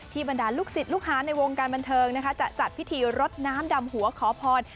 บรรดาลูกศิษย์ลูกหาในวงการบันเทิงนะคะจะจัดพิธีรดน้ำดำหัวขอพร